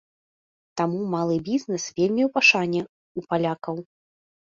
Таму малы бізнэс вельмі ў пашане ў палякаў.